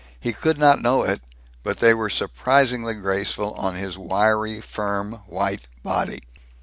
He could not know it, but they were surprisingly graceful on his wiry, firm, white body.